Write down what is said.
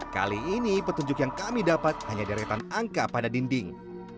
kali ini petunjuk yang kami dapat hanya deretan angka pada dinding